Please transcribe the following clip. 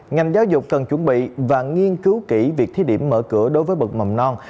ngành giáo dục cần chuẩn bị và nghiên cứu kỹ việc thí điểm mở cửa đối với bậc mầm non